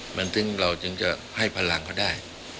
มันถึงเราจึงจะให้พลังเขาได้